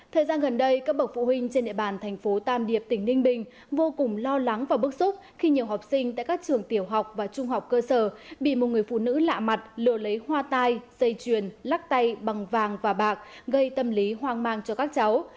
thời gian gần đây các bậc phụ huynh trên địa bàn thành phố tam điệp tỉnh ninh bình vô cùng lo lắng và bức xúc khi nhiều học sinh tại các trường tiểu học và trung học cơ sở bị một người phụ nữ lạ mặt lừa lấy hoa tai dây chuyền lắc tay bằng vàng và bạc gây tâm lý hoang mang cho các cháu